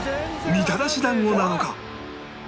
みたらし団子なのか？